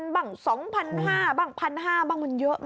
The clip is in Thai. บ้าง๒๕๐๐บ้าง๑๕๐๐บ้างมันเยอะมาก